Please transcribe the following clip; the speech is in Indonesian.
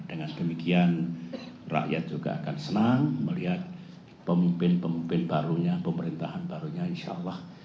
dengan demikian rakyat juga akan senang melihat pemimpin pemimpin barunya pemerintahan barunya insya allah